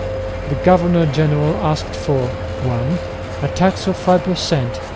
The governor general asked for (1) a tax of five per cent.